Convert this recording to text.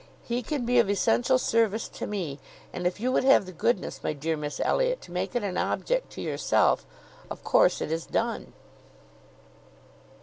He can be of essential service to me; and if you would have the goodness, my dear Miss Elliot, to make it an object to yourself, of course it is done."